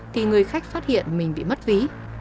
thì người khách phát hiện mình bị mất ví